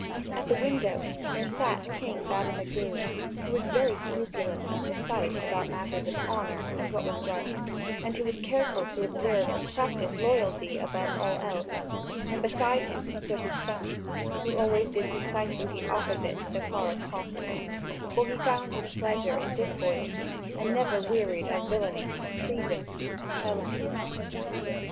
At the window there sat King Bademagu, who was very scrupulous and precise about matters of honour and what was right, and who was careful to observe and practise loyalty above all else; and beside him stood his son, who always did precisely the opposite so far as possible, for he found his pleasure in disloyalty, and never wearied of villainy, treason, and felony.